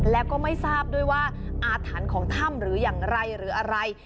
แล้วก็ไม่ทราบด้วยว่าอาถรรพ์ของถ้ำหรืออย่างไรหรืออะไร